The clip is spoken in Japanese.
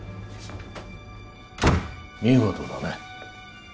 見事だね。